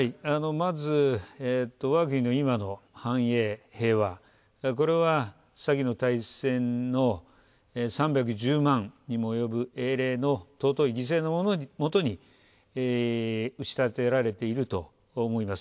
まず、わが国の今の繁栄、平和これは、先の大戦の３１０万にも及ぶ英霊の尊い犠牲のもとに打ち立てられていると思います。